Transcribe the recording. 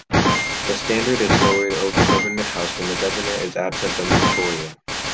The Standard is lowered over Government House when the governor is absent from Victoria.